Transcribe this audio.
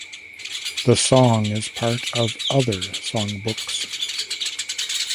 The song is part of other songbooks.